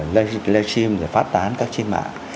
lê chim và phát tán các trên mạng